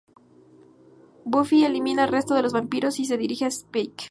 Buffy elimina al resto de los vampiros y se dirige a Spike.